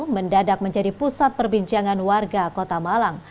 mendadak menjadi pusat perbincangan warga kota malang